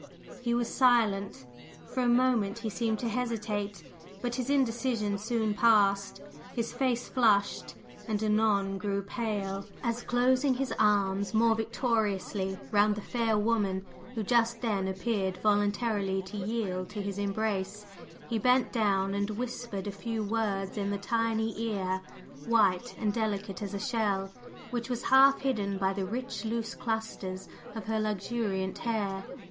He was silent. For a moment he seemed to hesitate; but his indecision soon passed. His face flushed, and anon grew pale, as closing his arms more victoriously round the fair woman who just then appeared voluntarily to yield to his embrace, he bent down and whispered a few words in the tiny ear, white and delicate as a shell, which was half hidden by the rich loose clusters of her luxuriant hair.